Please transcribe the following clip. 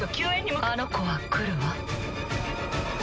あの子は来るわ。